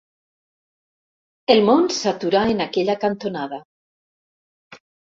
El món s'aturà en aquella cantonada.